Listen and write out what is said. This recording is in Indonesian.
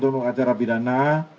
bentuk acara bidana